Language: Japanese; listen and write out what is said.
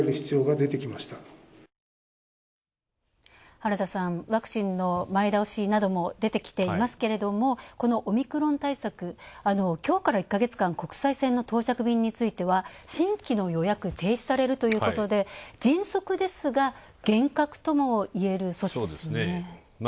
原田さん、ワクチンの前倒しなども出てきていますが、このオミクロン対策、今日から１ヶ月間、国際線の到着便については新規の予約が停止されるということで、迅速ですが、厳格ともいえる措置ですね。